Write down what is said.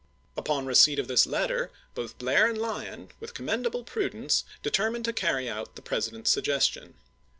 Upon receipt of this letter both Blair and Lyon, with commendable prudence, determined to carry out the President's suggestion.